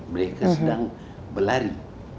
mereka sedang berlari